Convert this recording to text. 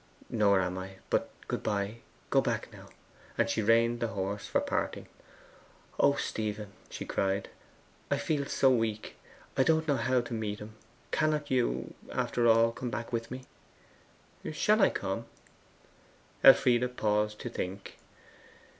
'Nor am I. But good bye. Go back now.' And she reined the horse for parting. 'O Stephen,' she cried, 'I feel so weak! I don't know how to meet him. Cannot you, after all, come back with me?' 'Shall I come?' Elfride paused to think.